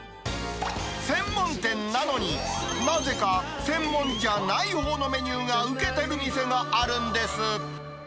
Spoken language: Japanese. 専門店なのに、なぜか専門じゃないほうのメニューが受けてる店があるんです。